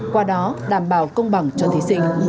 qua đó đảm bảo công bằng cho thí sinh